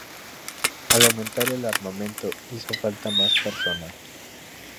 Al aumentar el armamento, hizo falta más personal.